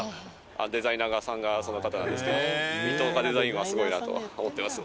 デザイナーさんがその方なんですけど水戸岡デザインはすごいなとは思ってます。